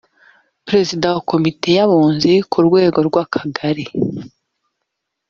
perezida wa komite y’ abunzi ku rwego rw’akagari